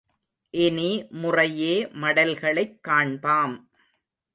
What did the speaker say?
இனி முறையே மடல்களைக் காண்பாம்.